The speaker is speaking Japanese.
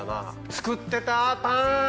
作ってたパン。